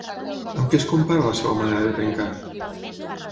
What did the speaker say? Amb què es compara la seva manera de pencar?